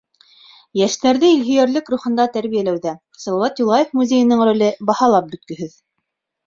Йәштәрҙе илһөйәрлек рухында тәрбиәләүҙә Салауат Юлаев музейының роле баһалап бөткөһөҙ.